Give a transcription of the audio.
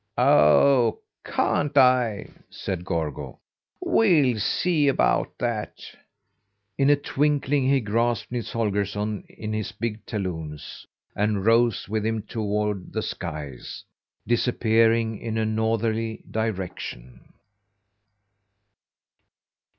"Oh, can't I?" said Gorgo. "We'll see about that!" In a twinkling he grasped Nils Holgersson in his big talons, and rose with him toward the skies, disappearing in a northerly direction.